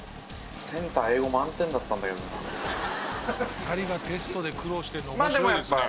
「２人がテストで苦労してるの面白いですね。